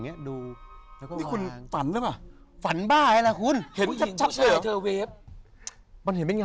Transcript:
วะหรืนคนฝันรึเปล่า